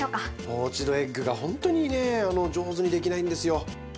ポーチドエッグがほんとにね上手にできないんですよ。